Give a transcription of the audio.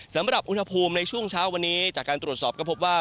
สำหรับอุณหภูมิในช่วงเช้าวันนี้จากการตรวจสอบก็พบว่า